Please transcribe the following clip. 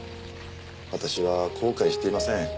私は後悔していません。